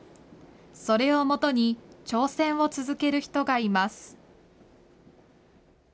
それをもとに挑戦を続ける人がいます。